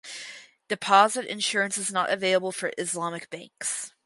Deposit insurance is not available for Islamic banks.